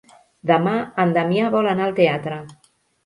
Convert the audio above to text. Demà en Damià vol anar al teatre.